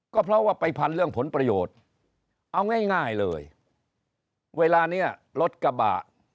ก็เพราะว่าไปพันเรื่องผลประโยชน์เอาง่ายเลยเวลานี้รถกระบะ